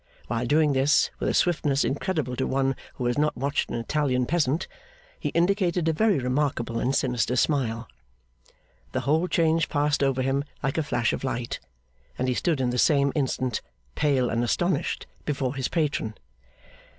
While doing this, with a swiftness incredible to one who has not watched an Italian peasant, he indicated a very remarkable and sinister smile. The whole change passed over him like a flash of light, and he stood in the same instant, pale and astonished, before his patron.